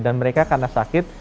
dan mereka karena sakit